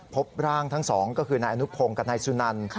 พบร่างทั้งสองก็คือนายอนุพงศ์กับนายสุนัน